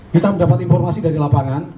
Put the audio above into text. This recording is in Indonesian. kita mendapat informasi dari lapangan